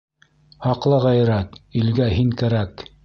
Һаҡла ғәйрәт, илгә һин кәрәк!